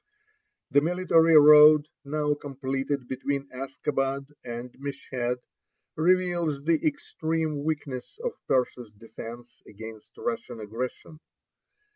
The military road now completed between Askabad and Meshed reveals the extreme weakness of Persia's defense against Russian aggression.